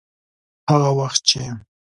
هغه وخت چې.